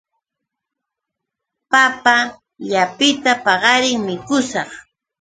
Papa llapita paqarin mukushaq.